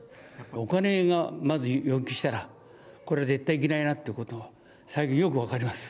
お金が、まず要求したらこれは絶対いけないということが最近よく分かります。